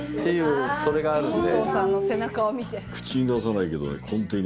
それがあるんで。